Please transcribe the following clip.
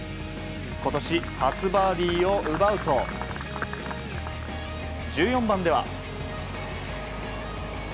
今年初バーディーを奪うと１４番では。